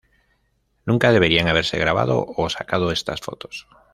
nunca deberían haberse grabado o sacado estas fotos